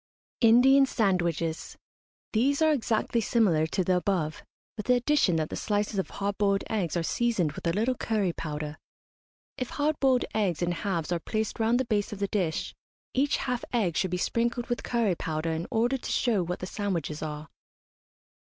INDIAN SANDWICHES. These are exactly similar to the above, with the addition that the slices of hard boiled eggs are seasoned with a little curry powder. If hard boiled eggs in halves are placed round the base of the dish, each half egg should be sprinkled with curry powder in order to show what the sandwiches are.